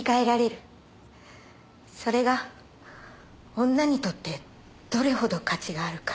それが女にとってどれほど価値があるか。